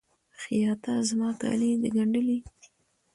خیاطه! زما کالي د ګنډلي؟